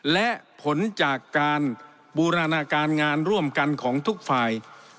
และผลจากการบูรณาการงานร่วมกันของทุกฝ่าย